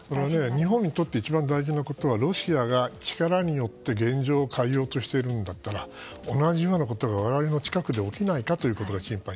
日本にとって一番大事なのはロシアが力によって現状を変えようとしているんだったら同じようなことが我々の近くで起きないかということが心配。